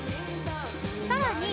［さらに］